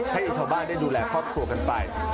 ให้ชาวบ้านได้ดูแลครอบครัวกันไป